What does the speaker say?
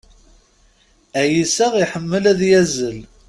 Ayyis-a iḥemmel ad yazzel.